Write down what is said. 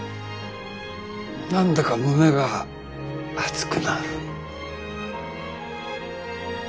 何だか胸が熱くなる。